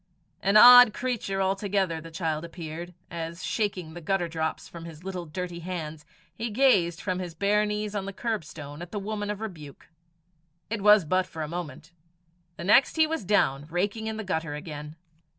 An odd creature altogether the child appeared, as, shaking the gutter drops from his little dirty hands, he gazed from his bare knees on the curbstone at the woman of rebuke. It was but for a moment. The next he was down, raking in the gutter again.